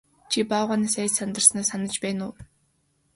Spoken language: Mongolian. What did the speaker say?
Чи баавгайгаас айж сандарснаа санаж байна уу?